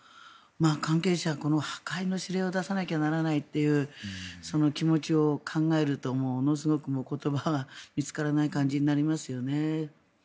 関係者、この破壊の指令を出さなきゃいけないというその気持ちを考えるとものすごく言葉が見つからない感じになりますよね。